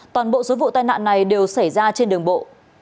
toàn bộ số vụ tai nạn này đều xảy ra trên đường bộ